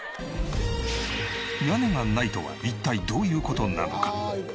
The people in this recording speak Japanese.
「屋根がない」とは一体どういう事なのか？